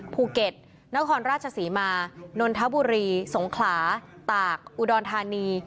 ภูเก็ตนครราชศรีมานนทบุรีสงขลาตากอุดรธานี